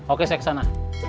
oke saya kesana